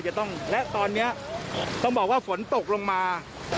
และตอนนี้ต้องบอกว่าฝนตกลงมา